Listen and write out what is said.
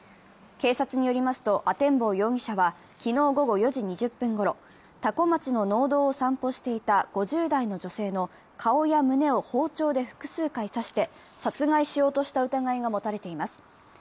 警察によりますと、阿天坊容疑者は昨日午後４時２０分ごろ、多古町の農道を散歩していた５０代の女性の顔や胸を包丁で複数回刺して、殺害しようとした疑いが持たれています。